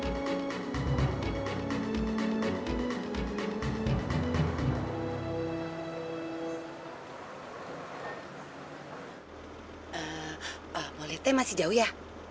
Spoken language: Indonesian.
ehm molite masih jauh ya